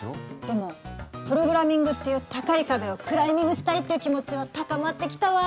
でもプログラミングっていう高い壁をクライミングしたいっていう気持ちは高まってきたわ。